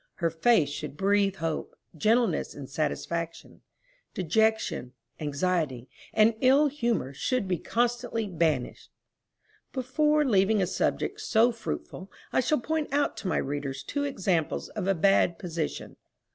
Her face should breathe hope, gentleness and satisfaction; dejection, anxiety, and ill humor should be constantly banished. Before leaving a subject so fruitful, I shall point out to my readers two examples of a bad position.